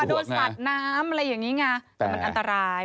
โดนสาดน้ำอะไรอย่างนี้ไงแต่มันอันตราย